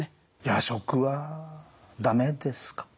夜食は駄目ですか？